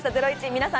皆さん